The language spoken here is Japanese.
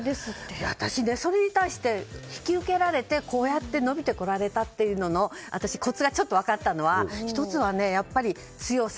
私、それに対して引き受けられてこうやって伸びてこられたということの私、コツがちょっと分かったのは１つはやっぱり強さ。